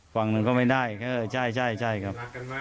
ฝั่งหนึ่งก็ไม่ได้เออใช่ครับ